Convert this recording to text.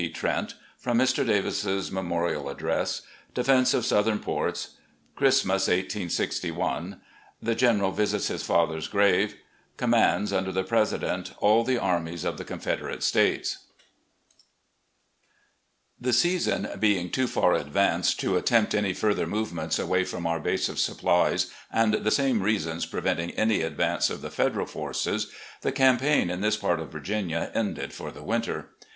p. TRENT — ^FROM MR. DAVIs'S MEMORIAL ADDRESS — DE FENSE OF SOUTHERN PORTS — CHRISTMAS, 1 86 1 — ^THE GENERAL VISITS HIS FATHER'S GRAVE — COMMANDS, UNDER THE PRESIDENT, ALL THE ARMIES OF THE CONFEDERATE STATES The season being too far advanced to attempt any further movements away from our base of supplies, and the same reasons preventing any advance of the Federal forces, the campaign in this part of Virginia ended for the winter.